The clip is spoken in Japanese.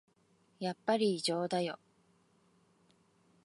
やっぱり異常だよ